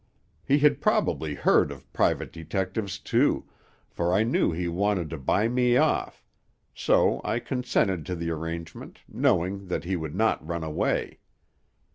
"He had probably heard of private detectives, too, for I knew he wanted to buy me off; so I consented to the arrangement, knowing that he would not run away.